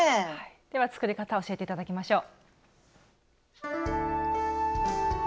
では作り方を教えていただきましょう。